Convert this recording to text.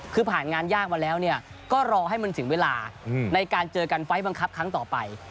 คือผ่านงานยากมาแล้วก็รอให้มันถึงเวลาในการเจอกันไฟล์บังคับครั้งต่อไป